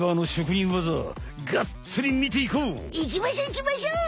いきましょういきましょう！